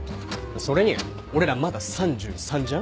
それに俺らまだ３３じゃん。